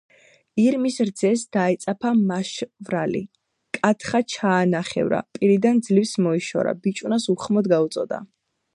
ირმის რძეს დაეწაფა მაშვრალი. კათხა ჩაანახევრა, პირიდან ძლივს მოიშორა, ბიჭუნას უხმოდ გაუწოდა.